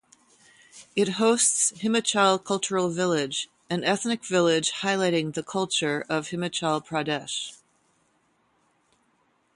It hosts Himachal Cultural Village, an ethnic village highlighting the culture of Himachal Pradesh.